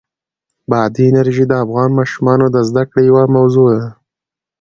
بادي انرژي د افغان ماشومانو د زده کړې یوه موضوع ده.